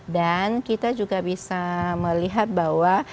dan kita juga bisa melihat bahwa